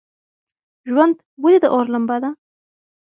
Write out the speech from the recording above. ژوند ولې د اور لمبه ده؟